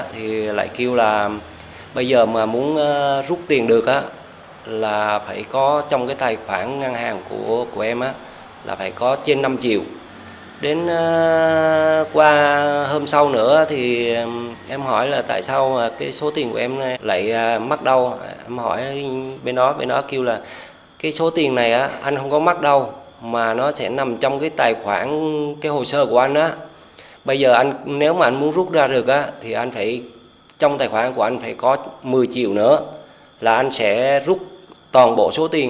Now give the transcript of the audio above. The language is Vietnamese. trước đó công an tp buôn ma thuật và phòng chống tội phạm sử dụng công nghệ cao